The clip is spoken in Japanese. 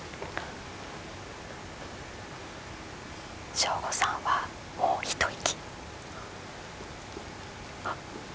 省吾さんは、もうひと息。